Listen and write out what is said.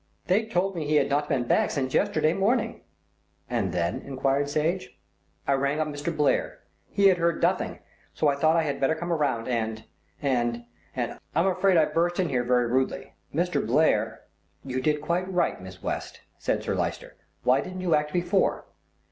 "They told me he had not been back since yesterday morning." "And then?" enquired Sage. "I rang up Mr. Blair. He had heard nothing, so I thought I had better come round and and I'm afraid I burst in here very rudely. Mr. Blair " "You did quite right, Miss West," said Sir Lyster. "Why didn't you act before?"